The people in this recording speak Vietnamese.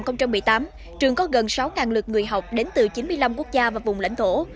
năm hai nghìn một mươi tám trường có gần sáu lượt người học đến từ chín mươi năm quốc gia và vùng lãnh thổ